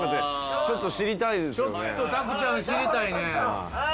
ちょっと拓ちゃん知りたいねはい！